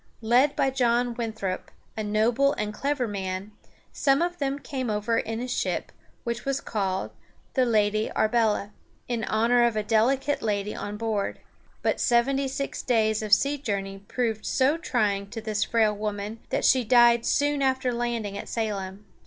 Led by John Winthrop, a noble and clever man, some of them came over in a ship which was called the Lady Arbela, in honor of a delicate lady on board. But seventy six days of sea journey proved so trying to this frail woman that she died soon after landing at Salem.